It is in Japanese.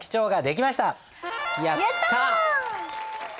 やった！